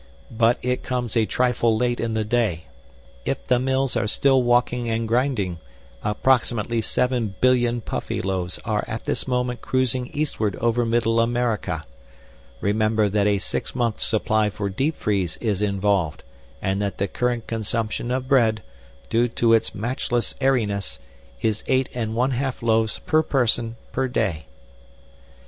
"But it comes a trifle late in the day. If the mills are still walking and grinding, approximately seven billion Puffyloaves are at this moment cruising eastward over Middle America. Remember that a six month supply for deep freeze is involved and that the current consumption of bread, due to its matchless airiness, is eight and one half loaves per person per day."